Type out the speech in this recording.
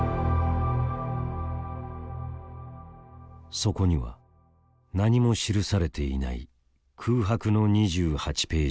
そこには何も記されていない「空白の２８ページ」があった。